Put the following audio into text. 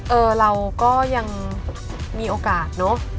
เออเราก็ยังมีโอกาสเนอะ